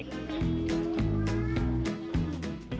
dengan yang non juice ini